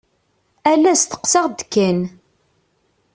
Ala steqsaɣ-d kan.